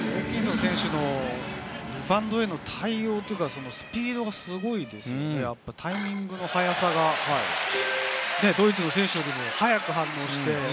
ホーキンソン選手のリバウンドへの対応、スピードがすごいですよね、やっぱタイミングの早さがドイツの選手よりも早く反応して。